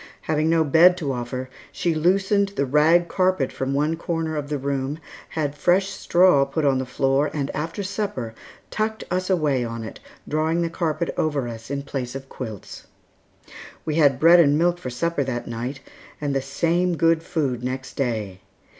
Having no bed to offer, she loosened the rag carpet from one corner of the room, had fresh straw put on the floor, and after supper, tucked us away on it, drawing the carpet over us in place of quilts. We had bread and milk for supper that night, and the same good food next day.